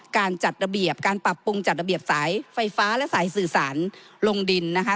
การจัดระเบียบการปรับปรุงจัดระเบียบสายไฟฟ้าและสายสื่อสารลงดินนะคะ